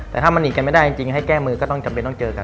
แต่ถ้ามันหนีกันไม่ได้จริงให้แก้มือก็ต้องจำเป็นต้องเจอกัน